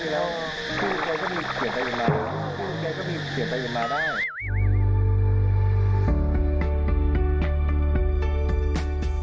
คุณแกก็มีเขียนไปอย่างนั้นได้